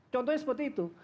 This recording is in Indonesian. contohnya seperti itu